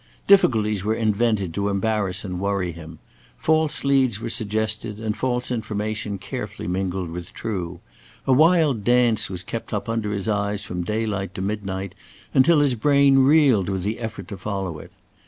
Difficulties were invented to embarrass and worry him. False leads were suggested, and false information carefully mingled with true. A wild dance was kept up under his eyes from daylight to midnight, until his brain reeled with the effort to follow it.